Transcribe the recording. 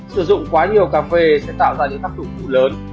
sử dụng quá nhiều cà phê sẽ tạo ra những tác dụng phụ lớn